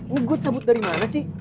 ini gue cabut dari mana sih